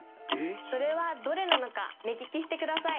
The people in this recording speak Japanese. それはどれなのか目利きしてください。